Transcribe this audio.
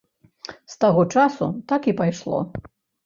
З таго часу так і пайшло.